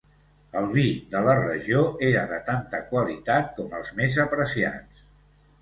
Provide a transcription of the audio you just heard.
El vi de la regió era de tanta qualitat com els més apreciats.